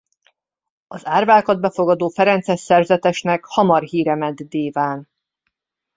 Az árvákat befogadó ferences szerzetesnek hamar híre ment Déván.